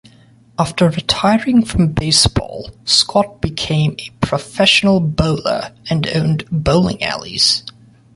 After retiring from baseball, Scott became a professional bowler and owned bowling alleys.